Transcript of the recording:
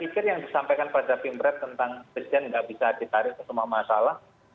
saya pikir yang disampaikan pada pimret tentang presiden tidak bisa ditarik ke semua masalah